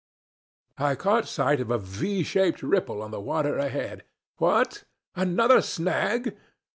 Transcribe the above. I caught shape of a V shaped ripple on the water ahead. What? Another snag!